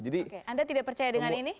anda tidak percaya dengan ini